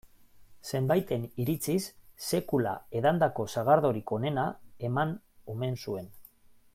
Zenbaiten iritziz, sekula edandako sagardorik onena eman omen zuen.